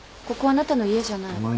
ここはあなたの家じゃない。